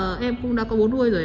tức là em cũng đã có bố nuôi rồi à